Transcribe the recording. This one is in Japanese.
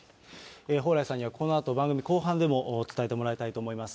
蓬莱さんには、このあと番組後半でも伝えてもらいたいと思います。